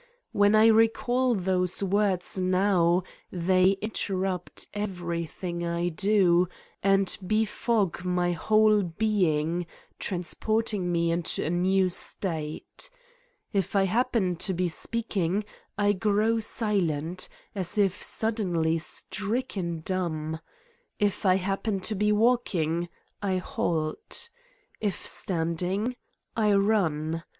When I recall those words now they interrupt every thing I do and befog my whole being, trans porting me into a new state. If I happen to be speaking I grow silent, as if suddenly stricken dumb. If I happen to be walking, I halt. If standing, I run.